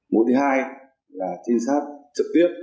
mũi thứ hai là trinh sát trực tiếp